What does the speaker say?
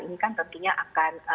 ini kan tentunya akan